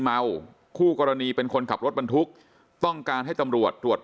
เมาคู่กรณีเป็นคนขับรถบรรทุกต้องการให้ตำรวจตรวจ